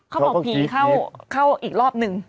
เขาบอกผีเข้าอีกรอบนึง